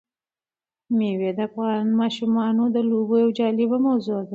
مېوې د افغان ماشومانو د لوبو یوه جالبه موضوع ده.